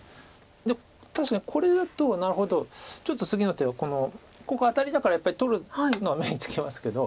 で確かにこれだとなるほどちょっと次の手がここアタリだからやっぱり取るのは目につきますけど。